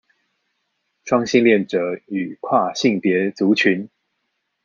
雙性戀者與跨性別族群